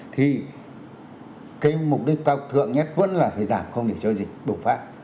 thì cái mục đích cao thượng nhất vẫn là phải giảm không để cho dịch bùng phát